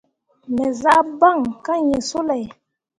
Me zah baŋ kah yĩĩ sulay.